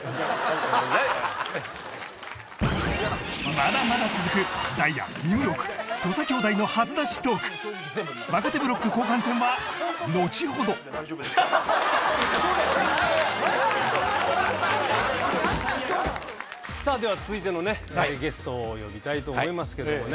まだまだ続くダイアンニューヨーク土佐兄弟の初出しトーク若手ブロック後半戦は後ほどでは続いてのゲストを呼びたいと思いますけどもね。